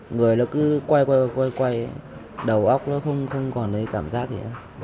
người cứ quay quay quay đầu óc không còn cảm giác gì